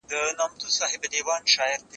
ما چي ول بالا باران نه وورېږي